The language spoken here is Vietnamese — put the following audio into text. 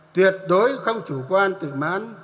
tuyệt đối không chủ quan tự mãn